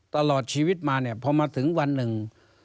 ตลอดชีวิตมาเนี่ยพอมาถึงวันหนึ่ง